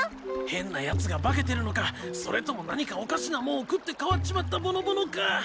変なやつが化けてるのかそれとも何かおかしなもんを食って変わっちまったぼのぼのか。